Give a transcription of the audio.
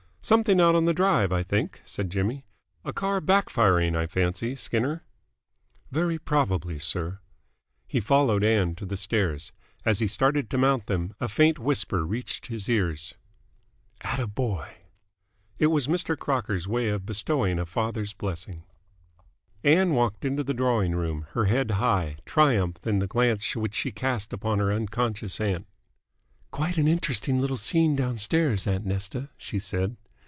"Something out on the Drive, I think," said Jimmy. "A car back firing, I fancy, Skinner." "Very probably, sir." He followed Ann to the stairs. As he started to mount them, a faint whisper reached his ears. "'At a boy!" It was Mr. Crocker's way of bestowing a father's blessing. Ann walked into the drawing room, her head high, triumph in the glance which she cast upon her unconscious aunt. "Quite an interesting little scene downstairs, aunt Nesta," she said.